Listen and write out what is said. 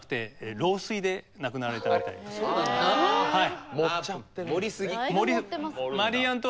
はい。